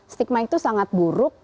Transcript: stigma itu sangat buruk